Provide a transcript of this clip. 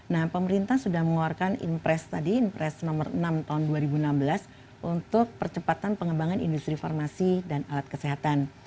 nah pemerintah sudah mengeluarkan impres nomor enam tahun dua ribu enam belas untuk percepatan pengembangan industri farmasi dan alat kesehatan